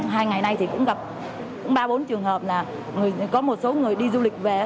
hai ngày nay thì cũng gặp ba bốn trường hợp là có một số người đi du lịch về